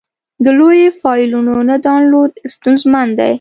د لویو فایلونو نه ډاونلوډ ستونزمن دی.